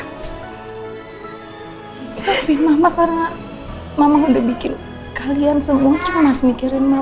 tapi mama karena mama udah bikin kalian semua cemas mikirin mah